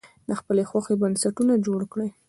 د خپلې خوښې بنسټونه جوړ کړي.